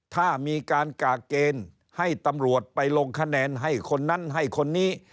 ถ้ามีการกากเกณฑ์ให้ตำรวจไปลงคะแนนให้คนนั้นให้คนนี้